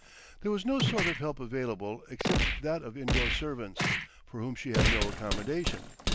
There was no sort of help available except that of indoor servants, for whom she had no accommodation.